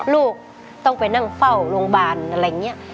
ลูกต้องไปนั่งเฝ้าโรงพยาบาลอะไรอย่างนี้